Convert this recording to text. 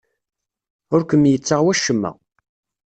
Ur kem-yettaɣ wacemma.